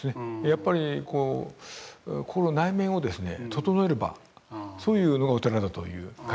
やっぱりこう心内面を整える場そういうのがお寺だという感じがするんですね。